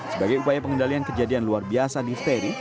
sebagai upaya pengendalian kejadian luar biasa di ferry